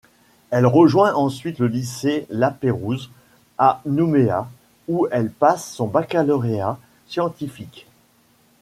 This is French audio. Elle rejoint ensuite le lycée Lapérouse, à Nouméa, où elle passe son baccalauréat scientifique.